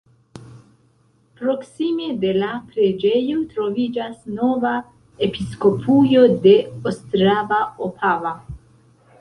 Proksime de la preĝejo troviĝas nova episkopujo de Ostrava-Opava.